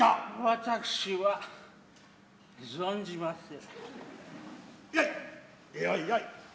私は存じませぬ。